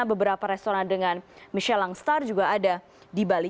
beberapa restoran dengan michelang star juga ada di bali